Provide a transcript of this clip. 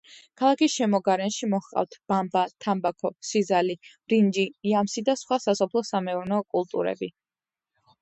ქალაქის შემოგარენში მოჰყავთ ბამბა, თამბაქო, სიზალი, ბრინჯი, იამსი და სხვა სასოფლო-სამეურნეო კულტურები.